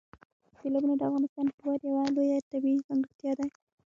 سیلابونه د افغانستان هېواد یوه لویه طبیعي ځانګړتیا ده.